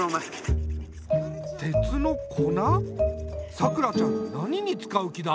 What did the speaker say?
さくらちゃん何に使う気だ？